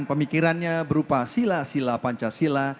pemikirannya berupa sila sila pancasila